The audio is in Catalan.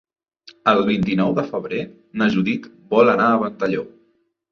El vint-i-nou de febrer na Judit vol anar a Ventalló.